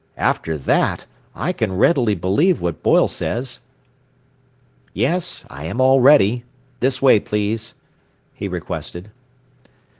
"After that, I can readily believe what Boyle says. "Yes, I am all ready. This way, please," he requested.